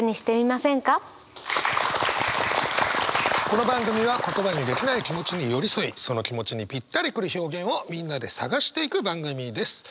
この番組は言葉にできない気持ちに寄り添いその気持ちにぴったり来る表現をみんなで探していく番組です。